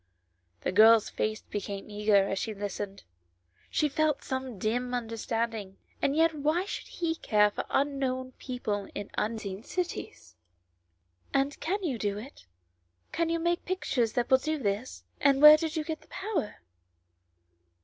The girl's face became eager as she listened, she felt some dim understanding, and yet why should he care for un known people in unseen cities ?" And can you do it ; can you make pictures that will do this, and where did you get the power?"